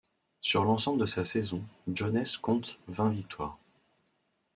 Sur l'ensemble de sa saison, Jones compte vingt victoires.